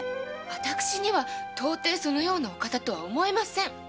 私には到底そのようなお方とは思えません。